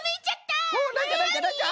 おおなんじゃなんじゃなんじゃ？